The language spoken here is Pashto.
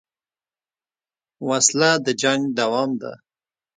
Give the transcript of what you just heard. وسله د جنګ دوام ده